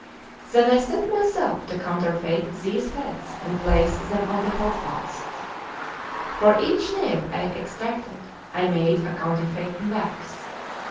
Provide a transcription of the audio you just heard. Then I set myself to counterfeit these heads and place them on the holdfasts; for each nail I extracted I made a counterfeit in wax.